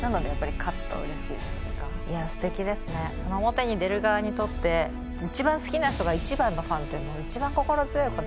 表に出る側にとって一番好きな人が一番のファンっていうの一番心強いことだな。